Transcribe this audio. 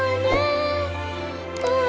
yang ada di dunia